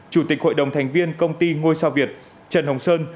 chủ tịch hội đồng thành viên công ty ngôi sao việt trần hồng sơn